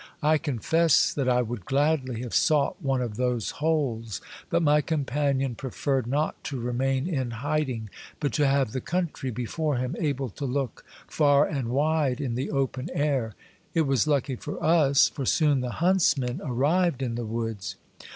I confess that I would gladly have sought one of those holes, but my companion preferred not to remain in hiding, but to have the country before him, able to look far and wide in the open air. It was lucky for us, for soon the huntsmen arrived in the woods.